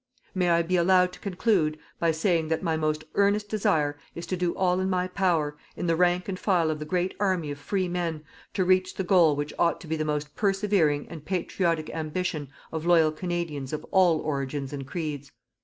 May I be allowed to conclude by saying that my most earnest desire is to do all in my power, in the rank and file of the great army of free men, to reach the goal which ought to be the most persevering and patriotic ambition of loyal Canadians of all origins and creeds.